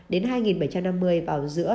đến hai bảy trăm năm mươi vào giữa